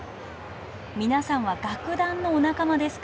皆さんは楽団のお仲間ですか？